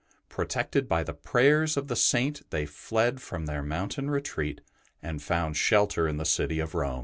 Protected by the prayers of the Saint, they fled from their mountain retreat and found shelter in the city of Rome.